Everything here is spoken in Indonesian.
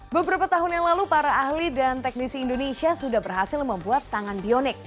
beberapa tahun yang lalu para ahli dan teknisi indonesia sudah berhasil membuat tangan bionik